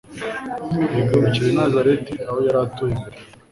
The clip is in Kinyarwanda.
Yigarukira i Nazareti, aho yari atuye mbere.